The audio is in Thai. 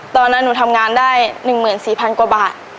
ตอนนั้นหนูทำงานได้หนึ่งหมื่นสี่พันกว่าบาท